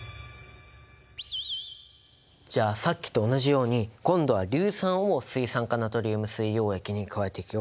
じゃあさっきと同じように今度は硫酸を水酸化ナトリウム水溶液に加えていくよ。